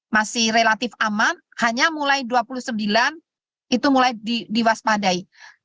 masih relatif aman hanya mulai dua puluh sembilan itu mulai diwaspadai